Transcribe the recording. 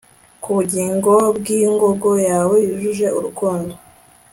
Kubugingo bwingogo yawe yuje urukundo